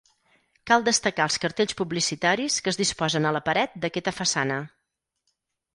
Cal destacar els cartells publicitaris que es disposen a la paret d'aquesta façana.